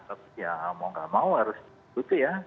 ya mau gak mau harus seperti ya